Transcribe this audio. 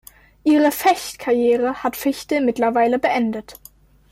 Ihre Fecht-Karriere hat Fichtel mittlerweile beendet.